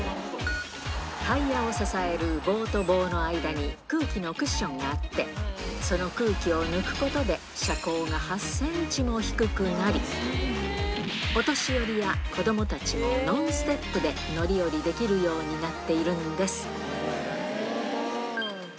タイヤを支える棒と棒の間に、空気のクッションがあって、その空気を抜くことで、車高が８センチも低くなり、お年寄りや子どもたちもノンステップで乗り降りできるようになっているんです。